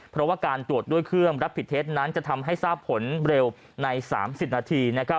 เพราะว่าการตรวจด้วยเครื่องรับผิดเท็จนั้นจะทำให้ทราบผลเร็วใน๓๐นาที